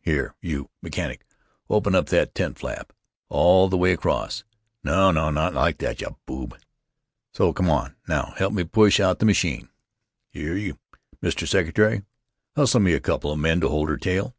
Here you, mechanic, open up that tent flap. All the way across.... No, not like that, you boob!... So.... Come on, now, help me push out the machine. Here you, Mr. Secretary, hustle me a couple of men to hold her tail."